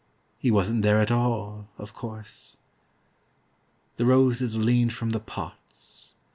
He wasn't there at all, of course. The roses leaned from the pots.